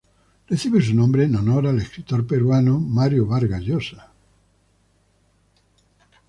Recibe su nombre en honor al escritor peruano Mario Vargas Llosa.